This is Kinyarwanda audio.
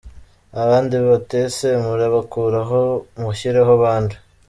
Abandi bati ese « murabakuraho mushyireho bande »?